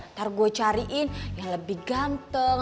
ntar gue cariin yang lebih ganteng